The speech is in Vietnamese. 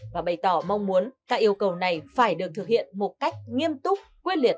và bày tỏ mong muốn các yêu cầu này phải được thực hiện một cách nghiêm túc quyết liệt